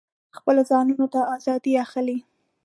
خپلو ځانونو ته آزادي اخلي.